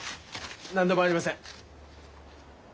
何でもありません。